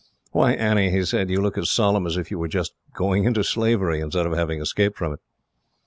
"Why, Annie," he said, "you look as solemn as if you were just going into slavery, instead of having escaped from it."